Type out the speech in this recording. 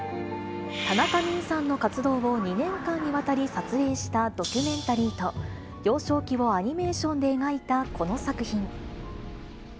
田中泯さんの活動を２年間にわたり撮影したドキュメンタリーと、幼少期をアニメーションで描いたこの作品。